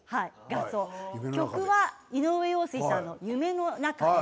曲は井上陽水さんの「夢の中へ」。